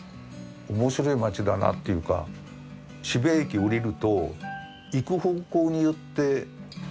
面白い街だなっていうか渋谷駅降りると行く方向によって街が違うのよイメージが。